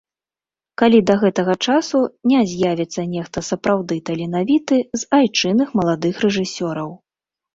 Калі да гэтага часу не з'явіцца нехта сапраўды таленавіты з айчынных маладых рэжысёраў.